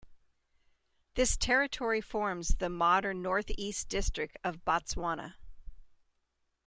This territory forms the modern North-East District of Botswana.